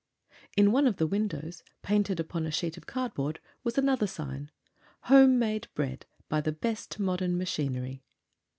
In one of the windows, painted upon a sheet of cardboard, was another sign: "Home made Bread by the Best Modern Machinery."